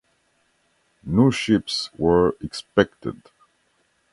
New ships were expected.